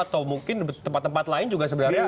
atau mungkin tempat tempat lain juga sebenarnya